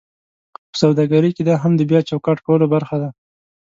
په سوداګرۍ کې دا هم د بیا چوکاټ کولو برخه ده: